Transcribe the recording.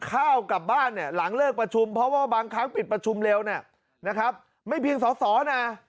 ข้าวกลับบ้านเนี่ยหลังเลิกประชุมเพราะว่าบางครั้งปิดประชุมเร็วเนี่ยนะครับไม่เพียงสอสอนะ